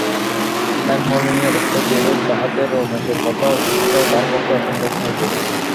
হেমনলিনীর অবস্থা যেরূপ, তাহাতে রমেশের কথা অবিশ্বাস করা তাহার পক্ষে অসম্ভব হইবে।